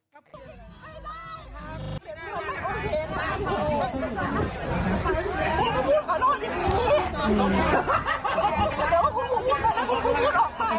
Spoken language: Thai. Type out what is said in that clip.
ครูบูลขอโทษอย่างงี้